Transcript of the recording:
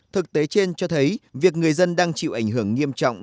thực tế trên cho thấy việc người dân đang chịu ảnh hưởng nghiêm trọng